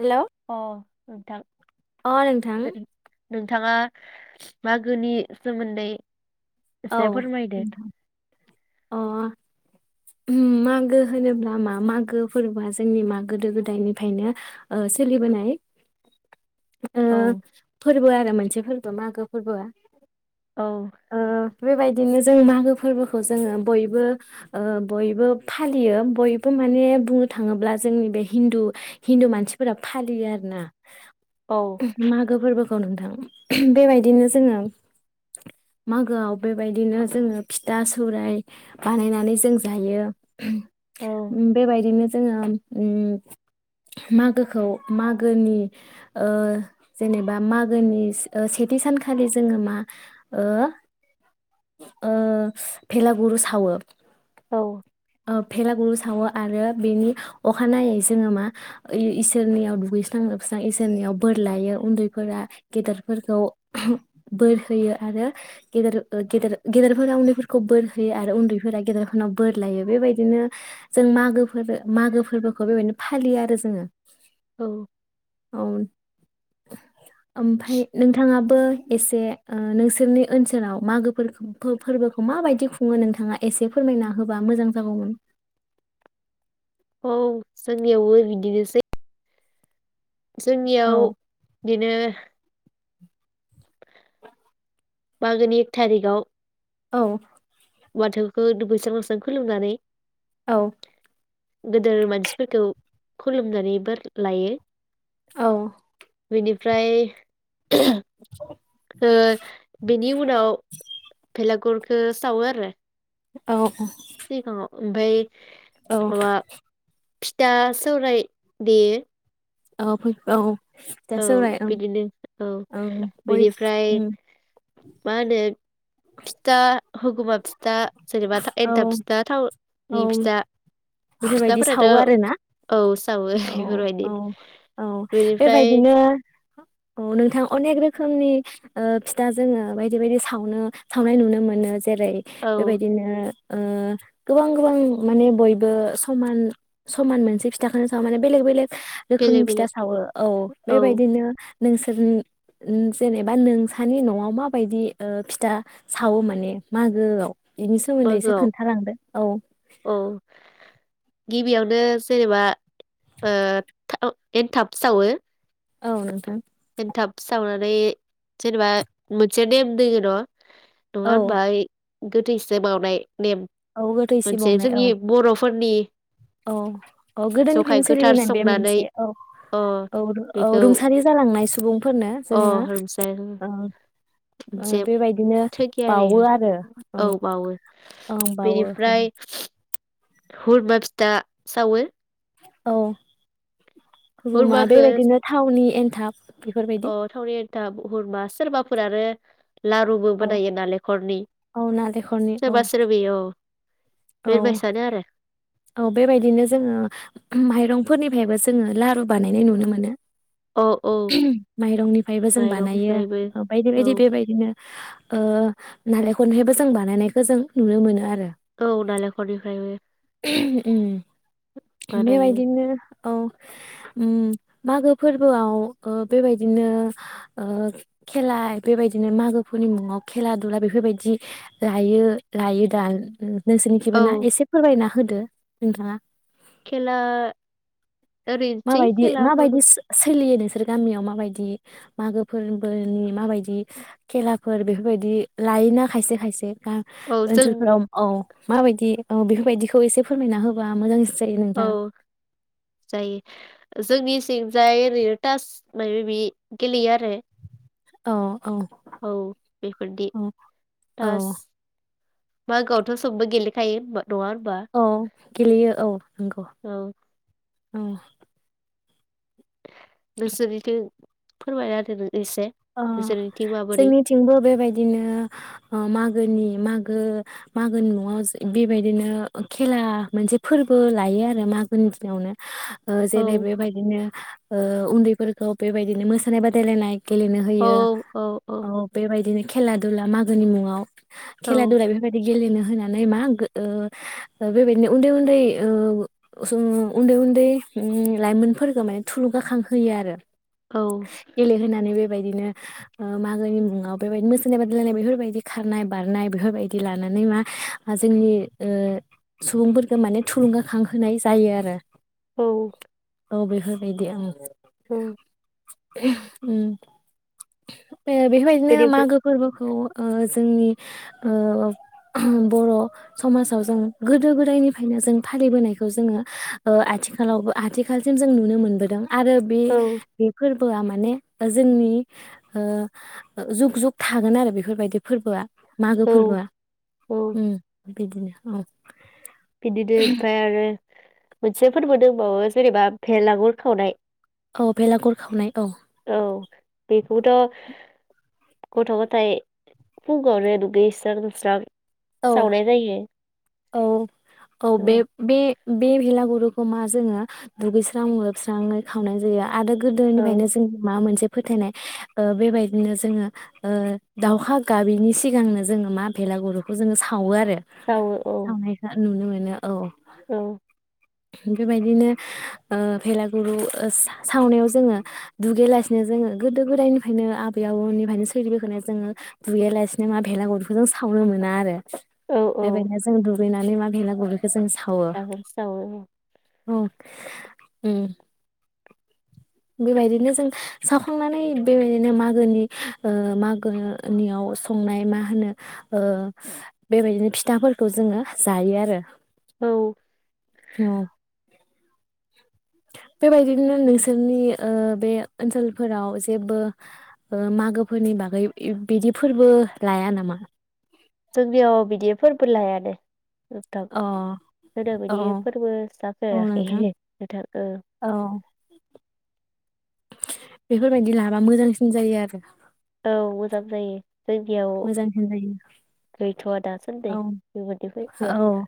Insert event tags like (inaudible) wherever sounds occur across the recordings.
हेल' अ नोंथां अ नोंथां! नों- नोंथाङा मागोनि सोमोन्दै एसे औ फोरमायदो नोंथां अ ओ मागो होनोब्ला मा मागो फोरबोआ जोंनि मा गोदो गोदायनिफ्रायनो ओ सोलिबोनाय ओ औ फोरबो आरो मोनसे फोर मागो फोरबोआ। औ। ओ बेबायदिनो जों मागो फोरबोखौ जोङो बयबो ओ बयबो फालियो बयबो माने बुंनो थाङोब्ला जोंनि बे हिन्दु हिन्दु मानसिफोरा फालियो आरोना। औ मागो फोरबो औ नोंथां बेबादिनो जोंङो मागो आव बेबादिनो जोंङो फिथा सौराय बानायनानै जों जायो औ बेबायदिनो जोङो ओ मागोखौ मागोनि ओ जेनेबा मागोनि ओ सेथि सानखालि जोङो मा ओ। ओ भेलागुर सावो। औ ओ भेलागुर साव आरो बेनि अखानायै जोङो मा इसोरनियाव दुगैस्रां लोबस्रां इसोरनियाव बोर लायो उन्दैफोरा गेदेरफोरखौ बोर होयो आरो गेदेर। गेदेर गेदेरफोरा उन्दैफोरखौ बोर होयो आरो उन्दैफोरा गेदेरफोरनाव बोर लायो बेबायदिनो जों मागोफोर मागो फोरबोखौ बेबायदिनो फालियो आरो जोङो। औ (unintelligible) ओमफाय नोंथाङाबो एसे ओ नोंसोरनि ओनसोलाव। मागो फोरबोखौ माबायदि खुङो नोंथाङा एसे फोरमायना होबा मोजां जागौमोन। औ जोंनियावबो बिदिनोसै। जोंनियाव औ दिनो मागोनि एक थारिगाव औ। बाथौखौ दुगैस्रां लांस्रां खुलुमनानै औ। गोदोर मानसिफोरखौ खुलुमनानै बोर लायो। औ। बेनिफ्राय (inaudible) ओ बेनि उनाव बेलागरखौ सावो आरो। औ औ। सिगाङाव ओमफ्राय औ। माबा फिथा सौराय देयो, औ फै औ। फिथा औ सौराय ओं बिदिनो औ ओं बय बिनिफ्राय उम मा होनो फिथा हगुमा फिथा जेनेबा एनथाब औ फिथा थाव नि फिथा बेबायदि फिथाफोराथ' सावो आरो ना? औ सावो औ बेफोरबायदि औ औ। बेनिफ्राय बिदिनोे औ नोंथां अनेक रोखोमनि ओ फिथा जोङो बायदि बायदि सावनो सावनाय नुनो मोनो जेरै औ बेबायदिनो ओ गोबां गोबां माने बयबो समान समान मोनसे फि था खौ सावा माने बेलेग बेलेग रोखोमनि बेलेग फिथा बेलेग सावो औ औ बेबायदिनो नोंसोर जेनेबा नोंसानि नआव माबायदि फिथा सावो माने मागोआव? बिनि सोमोन्दै एसे मागोआव खोनथालांदो औ। औ गिबियावनो जेनेबा ओ एन्थाब सावो, औ नोंथां। एन्थाब सावनानै जेनेबा मोनसे नेेम दोङो न? नङा औ होमबाय गोथैनोसो बावनाय नेम औ गोथै सि मोनसे बावनाय औ जोंनि बर'फोरनि औ औ जखाय गोदोनिफ्रायनो गोथार सोलिबोनाय बे संनानै मोनसे औ अ औ औ बेखौ रुंसारि जालांनाय सम। फोरनो अ जोङो रुंसारि ओ ओ मोनसे बेबायदिनो थोगियारि बावो आरो ओं औ बावो ओं बावो। बेनिफ्राय हुरमा फिथा सावो। औ। हुरुमा हुरमाखौ बेबायदिनो थावनि एन्थाब बेफोरबायदि। दा हुरमा सोरबाफोर आरो लारुबो औ बानायो नालेंखरनि औ नालेंखरनि औ सोरबा सोरबि अ औ बेेर बायसानो आरो औ बेबायदिनो जोङो ओ माइरंफोरनिफ्रायबो जोङो लारु बानायनाय नुनो मोनो। औ औ माइरंनिफ्रायबो जों बानायो माइरंनिफ्रायबो बायदि औ बायदि बेबायदिनो ओ नालेंखर निफ्रायबो जों बानायनायखौ जों नुनो मोनो आरो। औ नारेंखलनिफ्रायबो उम। बेबायदिनो औ ओम मागो फोरबोआव ओ बेबायदिनो ओ खेला बेबायदिनो मागोफोरनि मुङाव खेला दुला बेफोरबायदि लायो लायो दा ओम। नोंसोरनि औ खिबोना एसे ना होदो नोंथाङा। खेला ओरैनोसै माबायदि खेलाफोर माबायदि सो सोलियो नों बिसोर गामियाव माबायदि मागो फोरबोनि माबायदि खेलाफोर बेफोरबायदि लायोना खायसे खायसे आ औ जों ओनसोलफोराव औ। माबायदि औ बेफोरबायदिखौ एसे फोरमायना होबा मोजां जायो नोंथां ‌। औ जायो जोंनि थिंजाय रे टास मायो बे गेलेयो आरो। औ औ औ बेफोरदि औ थास औ मागोआवथ सबबो गेलेखायो होमबा नङा होनबा औ गेलेयो औ नंगौ। औ औ नोंसोरनिखो फोरमाय आरो नों। अ जोंनिथिंबो बेबायदिनो ओ मागोनि मागो मागोनि मुंआव बेबायदिनो खेला मोनसे फोरबो लायो आरो मागोनि दिनावनो। ओ औ जेरै बेबायदिनो ओ उन्दै फोरखौ बेबायदिनो मोसानाय बादायलायनाय गेलेनो औ होयो औ औ बेबायदिनो खेला अब्ला मागोनि मुङाव औ खेला दुला बेफोरबायदि गेलेनो होनानै मा ओ बेबायदिनो उन्दै -उन्दै ओ जों उन्दै- उन्दै उम लाइमोनफोरखौ माने थुलुंगाखांहोयो आरो। औ गेलेहोनानै बेबायदिनो ओ मागोनि मुङाव बेबायदिनो मोसानाय बादायलायनाय बेफोरबायदि खारनाय बारनाय बेफोरबायदि लानानै मा जोंनि ओ सुबुंफोरखौ माने थुलुंगाखांहोनाय जायो आरो। औ औ बे बिदि उम। औ (unintelligible) उम ए बेफोरबायदिनो बेनिफ्राय मागो फोरबोखौ ओ जोंनि ओ बर' समाजाव जों गोदो गोदायनिफ्रायनो जों फालिबोनायखौ जोङो ओ आथिखालावबो आथिखालसिम जों नुनो मोनबोदों। आरो बे औ बेफोर बोआ माने जोंनि ओ जुग-जुग थागोन आरो बेफोरबायदि फोरबोआ। मागो औ फोरबोआ उम बिदिनो औ। बिदिदो फ्राय आरो मोनसे फोरबो दोंबावो जेनेबा भेलागुर खावनाय। औ बेलागुर खावनाय औ औ बेखौथ गथ गाथाय फुंङावनो दुगैस्रां लोबस्रां औ सावनाय जायो औ औ बे बे बे भेलागुरुखौ मा जोङो दुगैस्रां लोबस्रांङै खावनाय जायो। आरो औ गोदोनिफ्रायनो जों मा मोनसे फोथायनाय ओ बेबायदिनो जोङो ओ दावखा गाबिनि सिगांनो जोङो मा भेलागुरु खौ जोङो सावो आरो। सावो औ थांनायखो नुनो मोनो बिदिनो औ औ। बेबायदिनो ओ भेलागुराव सा- सावनायाव जोङो दुगैयालासिनो जोङो गोदो गोदायनिफ्रायनो आबै आबौनिफ्रायनो सोलिबोखानाय जोङो दुगैयालासिनो मा भेलागुरिखौ जों सावनो मोना। (unintelligible) औ औ जों दुगैना (inaudible) (unintelligible) औ उम बेबायदिनो जों सावखांनानै बेबायदिनो मागोनि ओ मागोनियाव संनाय मा होनो ओ बेबायदिनो फिथाफोरखौ जोङो जायो आरो औ औ बेबायदिनो नोंसोरनि ओ बे ओनसोलफोराव जेबो मागोफोरनि बागै बिदि फोरबो लाया नामा। जोंनियाव बिदि फोरबो लायानो। थां अ होनदो औ बिनि फोरबो औ नोंथां जाफेराखैथां औ। बेफोरबायदि लाबा मोजांसिन जायो आरो औ मोजां जायो। जायगायाव मोजांसिन जायो गैथवा दासान्दै औ बेबायदि फोयबोआ। औ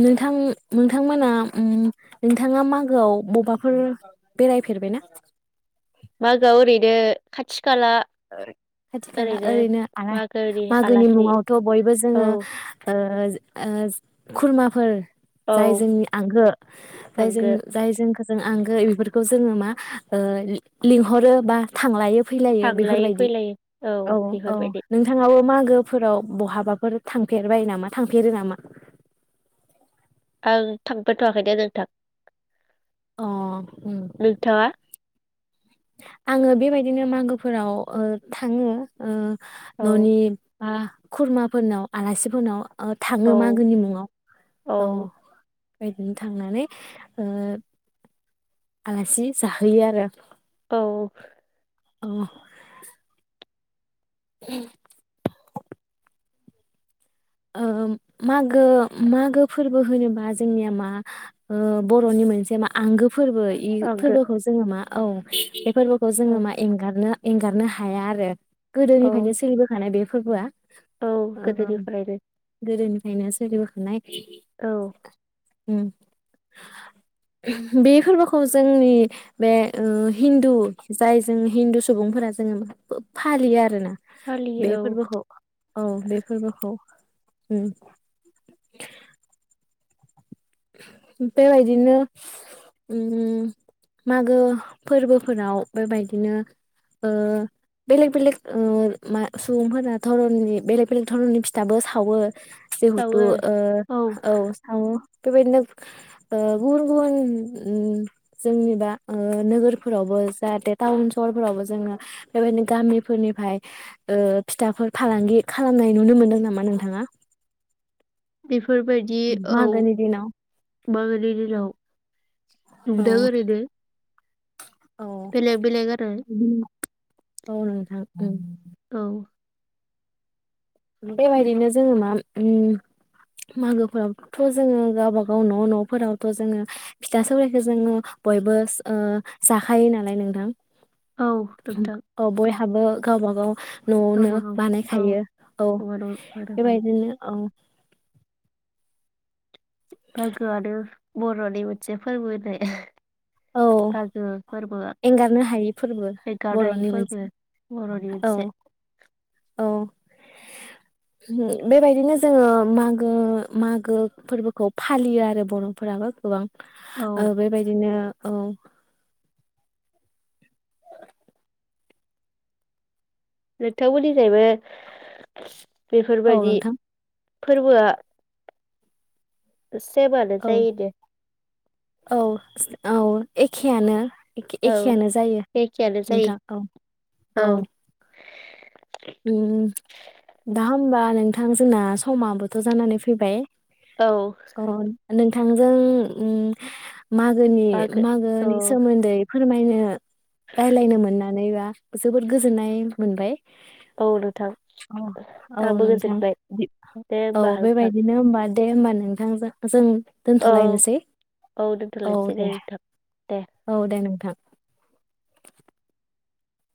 नोंथां नोंथांमोना नोंथाङा मागोआव बबेबाफोर बेरायफेरबायना? मागोआव ओरैनो खाथि खाला खाथि खाला ओरैनो आरो मागोनि मुङावथ बयबो औ जोङो। ओ खुरमाफोर औ जाय जोंनि आंगो जाय जों थांगो जाय जों जों आंगो इफोरखौ जोङो मा ओ लिंहरो बा थांलायो फैलायो थांलाय बे फैलाय औ औ बेफोरबायदि नोंथाङाबो माागो फोराव बहाबाफोर थांफेरबाय नामा थांफेरो नामा आं थांफाथवाखै दे नोंथां। अ नोंथाङा आङो बेबायदिनो मागोफोराव थाङो। औ ननि मा खुरमाफोरनाव आलासिफोरनाव। ओ थाङो औ मागोनि मुङाव औ बेदिनो थांनानै ओ आलासि साहय आरो। औ अह उ ओ मागो मागो फोरबो होनोबा जोंनिया मा ओ बर' नि मोनसे मा आंगो फोरबो इ आंबो फोरबोखौ जोङो मा औ। फोरबोखौ औ जोङो मा एंगारनो। एंगारनो हाया आरो। औ गोदोनिफ्रायनो सोलिबोखानाय बे। फोरबोआ। औ ओ गोदोनिफ्रायनो। गोदोनिफ्रायनो सोलिबोखानाय औ उम बे फोरबोखौ जोंनि बे हिन्दु जाय जों हिन्दु सुबुंफोरा जोङो फालियो आरोना। बे फालियो औ फोरबोखौ औ बे फोरबोखौ। उम। बेबायदिनो उम मागो फोरबोफोराव बेबायदिनो ओ बेलेक बेलेक उम आ सुबुंफोरा धरननि बेलेक बेलेक धरननि फिथाबो सावो। जिहेतु सावो ओ औ सावो। बेबायदिनो ओ गुबुन गुबुन उम जोंनिबा ओ नोगोरफोरावबो जाहाथे टाउन सहरफोरावबो जोङो बेबायदिनो गामिफोरनिफ्राय ओ फिथाफोर फालांगि खालामनाय नुनो मोनदों नामा नोंथाङा? बे बेफोरबायदि औ मागोनि दिनाव मागोनि दिनाव। औ नुदों ओरैनो। औ बेलेख बेलेख आरो। औ नोंथा उम औ बेबायदिनो जोङो मा उम मागोफोरावथ जोङो गावबागाव न नफोरावथ जोङो फिथा सावनायखौ जोङो बयबो ओ जाखायो नालाय नोंथां। औ नोंथां। हाबो गावबा गाव नआवनो गावबागाव औ बानायखायो। नङा नङा बेबायदिनो औ। मागोआनो बरनि मोनसे फोरबो होननाय। औ मागो फोरबोआ एंगारनो हायि फोरबो एंगारनायि बरनि फोरबो मोनसे बर'नि औ। मोनसे औ बेबायदिनो जोङो मागो मागो फोरबोखौ फालियो आरो बरफोराबो गोबां। औ ओ बेबायदिनो औ। लोथाव बुलि जायबो (unintelligible) बेफोर औ बायदि। नोंथां फोरबोआ। सेबानो औ जायो दे। औ औ एखेयानो एख औ एखेयानो जायो एखेयानो जायो नोंथां औ-औ औ उम दा होमबा नोंथां जोंना समाबोथ' जानानै फैबाय। औ अ नोंथांजों उम बागो औ मागोनि-मागोनि सोमोन्दै फोरमायनो राय्लायनो मोननानैबा जोबोद गोजोननाय मोनबाय। औ नोंथां अ औ आंबो नोंथां गोजोनबाय दे औ होमबा नोंथां बेबायदिनो होमबा दे होमबा नोंथांजों जों औ दोनथलायनोसै औ दोनथ'लायनोसै दे नोंथां दे औ दे नोंथां। थां